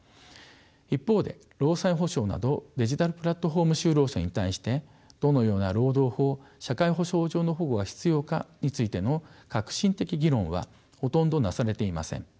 一方で労災補償などデジタルプラットフォーム就労者に対してどのような労働法・社会保障上の保護が必要かについての核心的議論はほとんどなされていません。